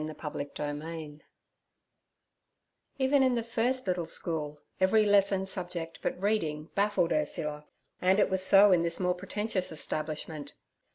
Chapter 9 EVEN in the first little school every lesson subject but reading baffled Ursula, and it was so in this more pretentious establishment.